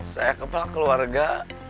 saya kepala keluarga